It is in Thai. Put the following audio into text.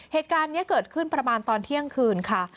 เหตุการณ์นี้เกิดขึ้นประมาณตอนเที่ยงคืนค่ะ